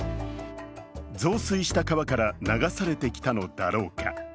増水した川から流されてきたのだろうか。